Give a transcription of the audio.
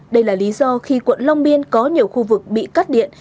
đây là lý do khi quận long biên có nhiều khu vực bị cắt điện